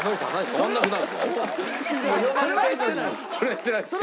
それは言ってないですか？